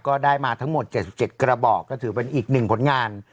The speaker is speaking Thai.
ก็ได้มาทั้งหมด๗๗กระบอกก็ถือเป็นอีกหนึ่งผลงาน